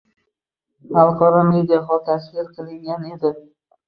“Xalqaro media xol”tashkil qilingan edi.